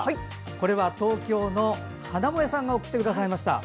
これは東京の華萌さんが送ってくださいました。